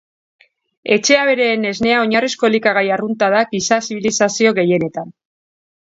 Etxe-abereen esnea oinarrizko elikagai arrunta da giza zibilizazio gehienetan.